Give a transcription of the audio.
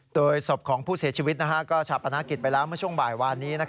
โดยศพของผู้เสียชีวิตก็ชาปนากิจไปแล้วเมื่อช่วงบ่ายวานนี้